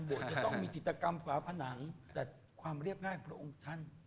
จะต้องมีจิตกรรมฝาผนังแต่ความเรียบง่ายของพระองค์ท่าน